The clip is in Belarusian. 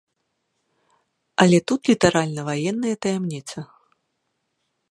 Але тут літаральна ваенная таямніца.